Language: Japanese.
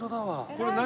これ何？